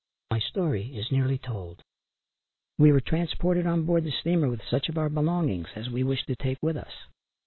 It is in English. My story is nearly told. We were transported on board the steamer, with such of our belonging as we wished to take with us.